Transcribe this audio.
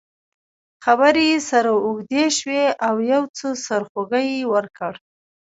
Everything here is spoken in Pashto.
خبرې یې سره اوږدې شوې او یو څه سرخوږی یې ورکړ.